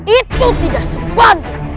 itu tidak sebanding